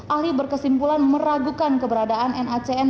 ahli berkesimpulan meragukan keberadaan nacn